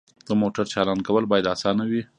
د موټر چالان کول باید اسانه وي.